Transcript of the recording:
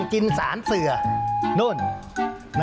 แม่แค่เด็บหน้าลุกแล้วเนี่ย